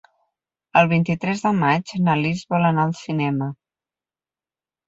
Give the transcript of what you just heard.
El vint-i-tres de maig na Lis vol anar al cinema.